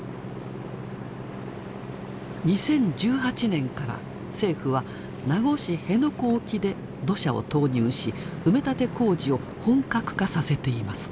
２０１８年から政府は名護市辺野古沖で土砂を投入し埋め立て工事を本格化させています。